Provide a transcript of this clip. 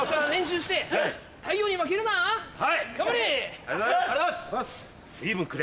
ありがとうございます！